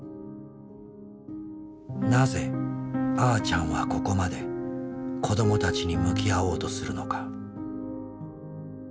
なぜあーちゃんはここまで子どもたちに向き合おうとするのか。